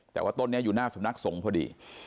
แต่ว่าต้นนี้อยู่หน้าสำนักสงฆ์พอดี